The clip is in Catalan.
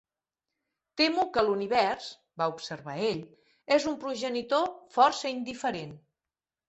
"Temo que l'univers", va observar ell, "és un progenitor força indiferent".